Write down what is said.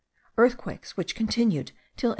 Earthquakes, which continued till 1813.